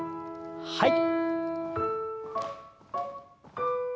はい。